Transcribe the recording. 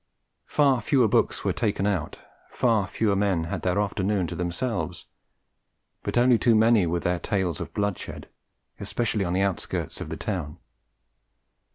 Far fewer books were taken out, far fewer men had their afternoon to themselves, but only too many were their tales of bloodshed, especially on the outskirts of the town.